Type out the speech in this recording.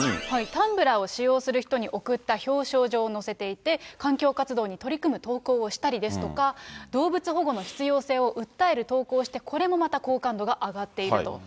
タンブラーを使用する人に贈った表彰状を載せていて、環境活動に取り組む投稿をしたりですとか、動物保護の必要性を訴える投稿をして、これもまた好感度が上がっていると。